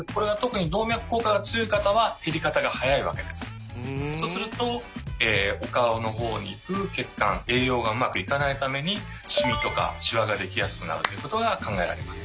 これは特にそうするとお顔の方に行く血管栄養がうまく行かないためにシミとかシワが出来やすくなるということが考えられます。